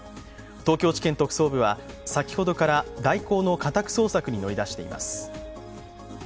東京地検特捜部は先ほどから大広の家宅捜索に乗り出しています。